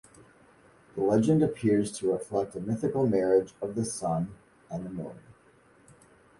The legend appears to reflect a mythical marriage of the sun and moon.